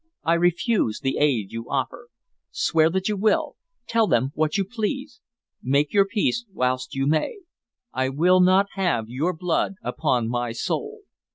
I refuse the aid you offer. Swear what you will, tell them what you please, make your peace whilst you may. I will not have your blood upon my soul."